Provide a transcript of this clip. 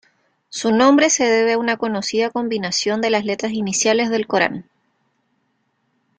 Su nombre se debe a una conocida combinación de las letras iniciales del Corán.